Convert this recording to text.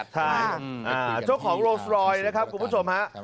โทษของมันรอดนะครับคุณผู้ชม